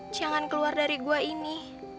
jangan keluar dari gua ini